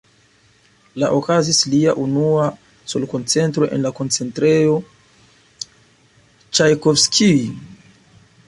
La okazis lia unua sol-koncerto en la koncertejo "Ĉajkovskij".